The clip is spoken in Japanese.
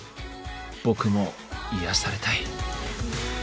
僕も癒やされたい。